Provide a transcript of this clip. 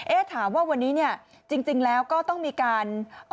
เอ๊ะถามว่าวันนี้จริงแล้วก็ต้องมีการ